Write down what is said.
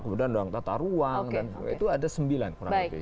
kemudian ada tata ruang itu ada sembilan kurang lebih